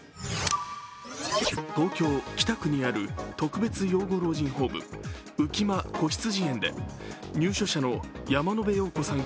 東京・北区にある特別養護老人ホーム、浮間こひつじ園で入所者の山野辺陽子さん